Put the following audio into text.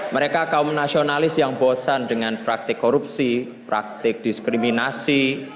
mereka kaum nasionalis yang bosan dengan praktik korupsi praktik diskriminasi